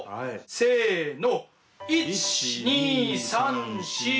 せの。